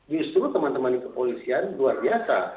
justru teman teman kepolisian luar biasa